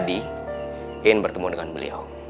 ingin bertemu dengan beliau